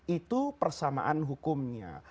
itu persamaan hukumnya